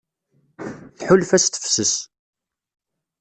Tḥulfa s tefses.